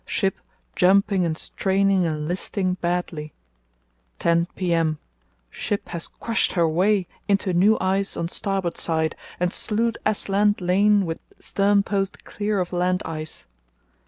Ship, jumping and straining and listing badly. 10 p.m.—Ship has crushed her way into new ice on starboard side and slewed aslant lane with stern post clear of land ice.